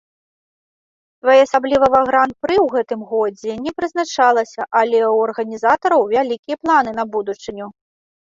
Своеасаблівага гран-пры ў гэтым годзе не прызначалася, але ў арганізатараў вялікія планы на будучыню.